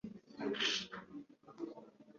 Lucrèce na Marcia Julie na Cornélie